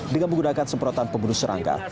dengan menggunakan semprotan pembunuh serangga